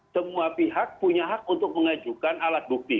semua pihak punya hak untuk mengajukan alat bukti